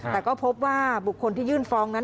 แต่ก็พบว่าบุคคลที่ยื่นฟ้องนั้น